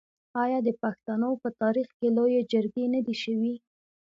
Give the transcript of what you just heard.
آیا د پښتنو په تاریخ کې لویې جرګې نه دي شوي؟